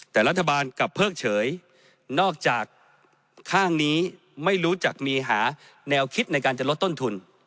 แต่รัฐบาลกลับเพิกเฉยนอกจากข้างนี้ไม่รู้จักมีหาแนวคิดในการจะลดต้นทุน